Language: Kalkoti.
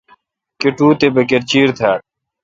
کٹو تے بکر چیر تھال ۔